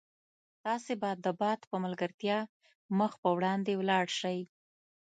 تاسي به د باد په ملګرتیا مخ په وړاندې ولاړ شئ.